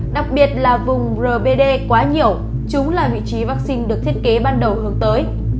đặc biệt là vùng rbd quá nhiều chúng là vị trí vaccine được thiết kế ban đầu hướng tới